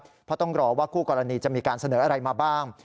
เพราะต้องรอว่าคู่กรณีจะมีการเสนออะไรมาบ้าง